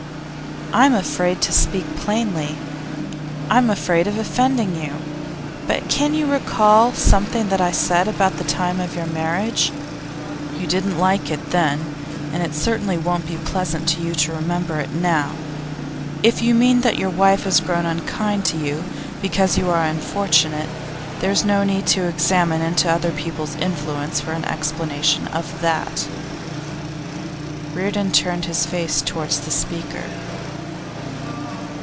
I'm afraid to speak plainly; I'm afraid of offending you. But can you recall something that I said about the time of your marriage? You didn't like it then, and certainly it won't be pleasant to you to remember it now. If you mean that your wife has grown unkind to you because you are unfortunate, there's no need to examine into other people's influence for an explanation of that.' Reardon turned his face towards the speaker.